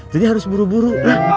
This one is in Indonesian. jadi harus buru buru